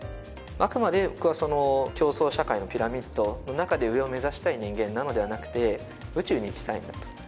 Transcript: あくまで僕はその競争社会のピラミッドの中で上を目指したい人間なのではなくて宇宙に行きたいんだと。